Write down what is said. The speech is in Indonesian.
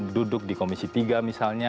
duduk di komisi tiga misalnya